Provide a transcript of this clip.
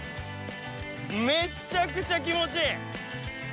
めっちゃくちゃ気持ちいい！